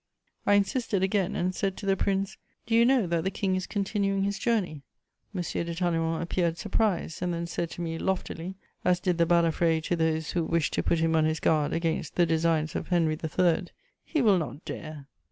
I insisted again and said to the prince: "Do you know that the King is continuing his journey?" M. de Talleyrand appeared surprised, and then said to me, loftily, as did the Balafré to those who wished to put him on his guard against the designs of Henry III.: "He will not dare!"